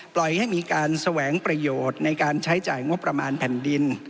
ปล่อยให้มีการแสวงประโยชน์ในการใช้จ่ายงบประมาณแผ่นดิน